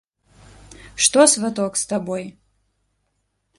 Што, сваток, з табой?